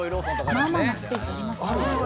まぁまぁなスペースありますね。